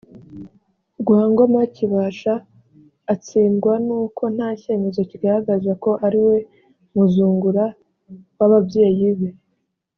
rwa ngoma kibasha atsindwa n uko nta cyemezo kigaragaza ko ariwe muzungura w ababyeyi be